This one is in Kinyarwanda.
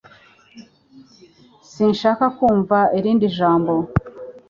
Sinshaka kumva irindi jambo